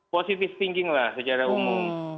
positive thinking lah secara umum